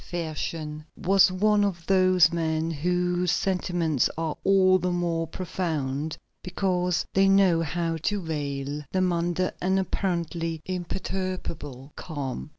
Fersen was one of those men whose sentiments are all the more profound because they know how to veil them under an apparently imperturbable calm.